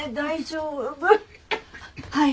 はい。